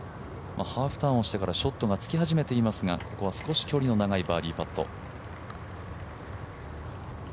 ハーフターンをしてからショットがつき始めていますが、ここは少し距離の長いバーディーパット。